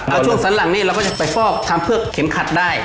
แล้วชุดสั้นหลังจะไปฝอกทำเพลิกเข็มคัดได้